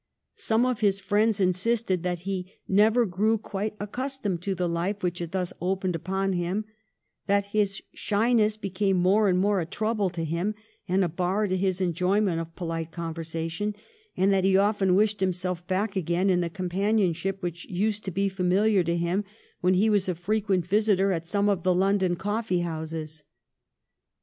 Some of his friends insisted that he never grew quite accus tomed to the life which had thus opened upon him, that his shyness became more and more a trouble to him and a bar to his enjoyment of polite conversation, and that he often wished himself back again in the companionship which used to be familiar to him when he was a frequent visitor at some of the London coJQTee houses.